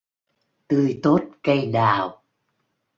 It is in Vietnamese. Tươi tốt cây đào